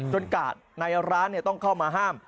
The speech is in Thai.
จนก่อนร้านต้องเข้ามาห้าม